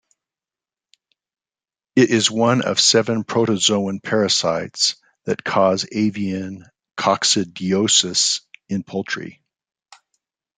It is one of seven protozoan parasites that cause avian Coccidiosis in poultry.